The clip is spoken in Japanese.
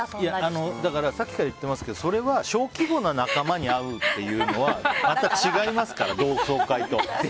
さっきから言ってますけどそれは小規模な仲間に会うっていうのはまた違いますから、同窓会と。